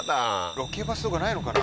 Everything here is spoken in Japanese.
ロケバスとかないのかな。